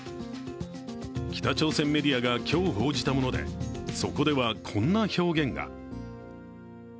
北朝鮮メディアが今日報じたもので、そこではこんな表現が。